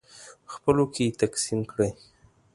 خپلو کې یې تقسیم کړئ.